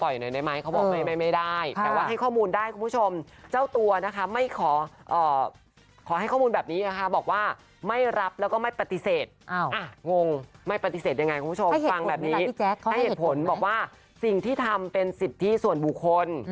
ยังไงคุณผู้ชมฟังแบบนี้ให้เหตุผลบอกว่าสิ่งที่ทำเป็นสิทธิส่วนบุคคล